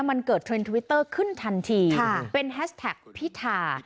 มันเกิดเทรนด์ทวิตเตอร์ขึ้นทันทีเป็นแฮชแท็กพิธา